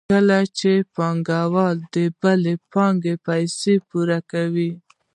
کله چې پانګوال د بل پانګوال پیسې پور کوي